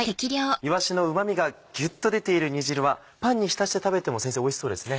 いわしのうまみがギュッと出ている煮汁はパンに浸して食べても先生おいしそうですね。